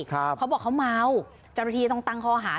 เขาบอกเขาเมาจำนวนทีต้องตั้งคอหา